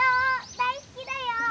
大好きだよ！」。